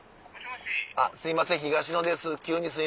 すいません東野です